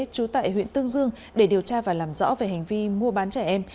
trú tại huyện tương dương để điều tra và làm rõ về hành vi mua bán trẻ em